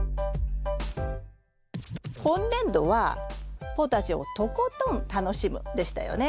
今年度は「ポタジェをとことん楽しむ」でしたよね。